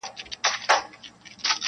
نوی ژوند نوی امید ورته پیدا سو -